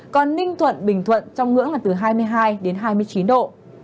còn ninh thuận bình thuận trong ngưỡng là từ hai mươi hai đến hai mươi chín độ